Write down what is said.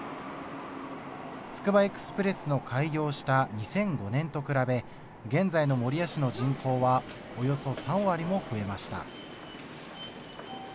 つくばエクスプレスの開業した２００５年と比べ、現在の守谷市の人口はおよそ３割も増えました。